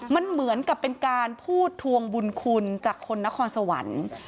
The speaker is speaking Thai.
มันเหมือนกับเป็นการพูดทวงบุญคุณจากคนนครสวรรค์